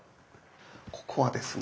ここはですね